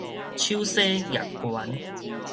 手紗攑懸